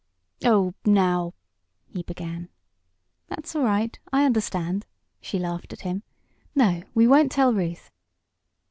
"Oh, now " he began. "That's all right. I understand," she laughed at him. "No, we won't tell Ruth."